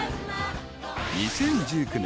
［２０１９年。